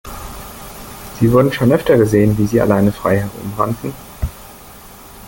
Sie wurden schon öfter gesehen, wie sie alleine frei herumrannten.